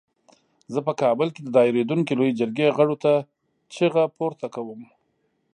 زه په کابل کې د دایریدونکې لویې جرګې غړو ته چیغه پورته کوم.